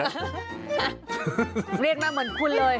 เรียกมาเหมือนคุณเลย